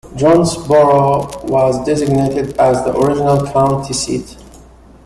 Jonesboro was designated as the original county seat.